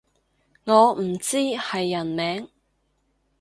我唔知係人名